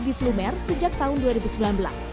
biflumer sejak tahun dua ribu sembilan belas